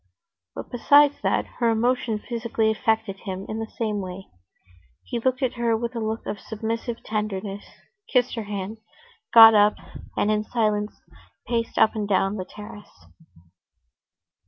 But, besides that, her emotion physically affected him in the same way. He looked at her with a look of submissive tenderness, kissed her hand, got up, and, in silence, paced up and down the terrace.